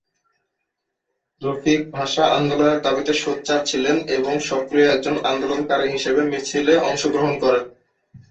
রফিক ভাষা আন্দোলনের দাবিতে সোচ্চার ছিলেন এবং সক্রিয় একজন আন্দোলনকারী হিসেবে মিছিলে অংশগ্রহণ করেন।